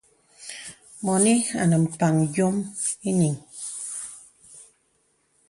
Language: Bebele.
Mɔnì anə mpaŋ yòm ìyiŋ.